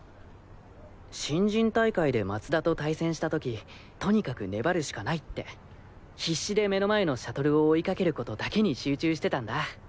新人大会で松田と対戦した時とにかく粘るしかないって必死で目の前のシャトルを追いかけることだけに集中してたんだ。